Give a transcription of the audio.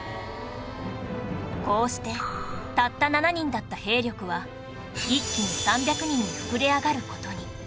こうしてたった７人だった兵力は一気に３００人に膨れ上がる事に